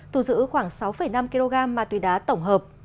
thu giữ khoảng sáu năm kg ma túy đá tổng hợp